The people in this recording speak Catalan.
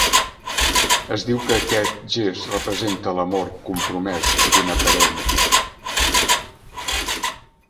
Es diu que aquest gest representa l'amor compromès d'una parella.